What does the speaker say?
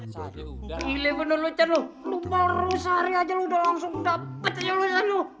sani gile bener lo chan lo mau lo sehari aja lo udah langsung dapet aja lo chan